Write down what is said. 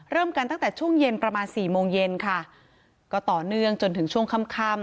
เริ่มกันตั้งแต่ช่วงเย็นประมาณสี่โมงเย็นค่ะก็ต่อเนื่องจนถึงช่วงค่ำค่ำ